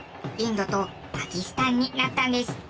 インドとパキスタンになったんです。